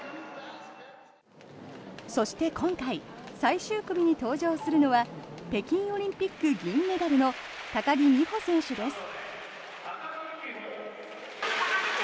そして今回最終組に登場するのは北京オリンピック銀メダルの高木美帆選手です。